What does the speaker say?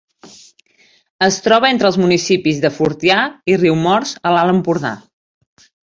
Es troba entre els municipis de Fortià i Riumors a l'Alt Empordà.